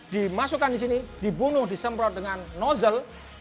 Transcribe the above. dimasukkan di sini dibunuh disemprot dengan nozzle